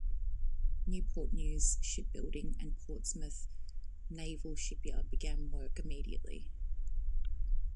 Newport News Shipbuilding and Portsmouth Naval Shipyard began work immediately.